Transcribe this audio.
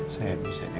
saya bisa dengan diri